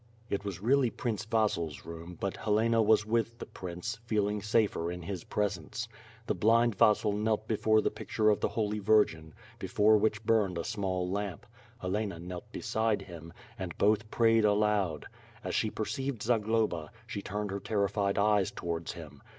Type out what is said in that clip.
"It was really Prince Vasil's room, but Helena was with the prince, feeling safer in his prcvsence. The blind Vasil knelt before the picture of the Holy Virgin, before which burned a small lamp; Helena knelt beside him; and both prayed aloud. As she perceived Zagloba, she turned her ter rified eyes towards him.